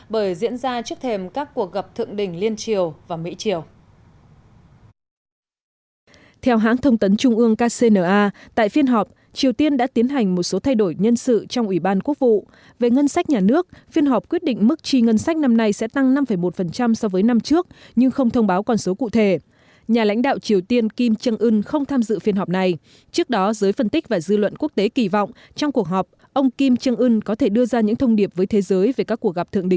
bởi diễn ra trước thềm các cuộc gặp thượng đỉnh liên triều và mỹ triều